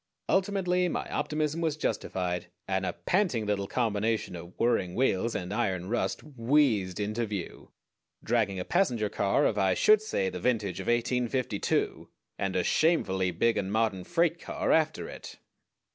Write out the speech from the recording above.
Ultimately my optimism was justified, and a panting little combination of whirring wheels and iron rust wheezed into view, dragging a passenger car of I should say the vintage of 1852, and a shamefully big and modern freight car after it.